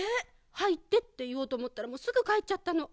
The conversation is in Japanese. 「はいって」っていおうとおもったらもうすぐかえっちゃったの。